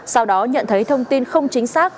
sau đó nhận thấy thông tin không chính xác